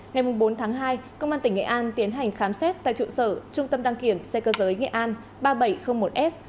ngày bốn tháng hai công an tỉnh nghệ an tiến hành khám xét tại trụ sở trung tâm đăng kiểm xe cơ giới nghệ an ba nghìn bảy trăm linh một s